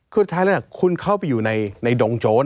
คุณเข้าไปอยู่ในดงโจร